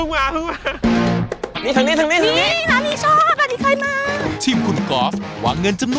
ว้ายร้านนี้ใครมาแล้ว